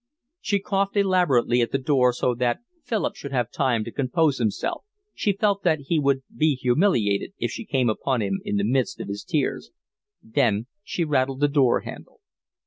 She coughed elaborately at the door so that Philip should have time to compose himself, she felt that he would be humiliated if she came upon him in the midst of his tears, then she rattled the door handle.